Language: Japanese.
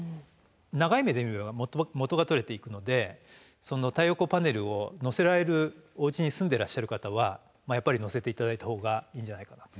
長い目で見れば元が取れていくので太陽光パネルを載せられるおうちに住んでらっしゃる方はやっぱり載せて頂いた方がいいんじゃないかなと。